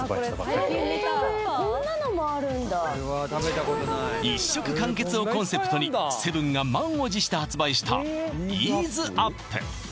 こんなのもあるんだ一食完結をコンセプトにセブンが満を持して発売したイーズアップ